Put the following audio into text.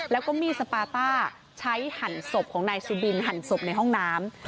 แล้วก็มีดสปาต้าใช้หั่นศพของนายสุบินหั่นศพในห้องน้ำ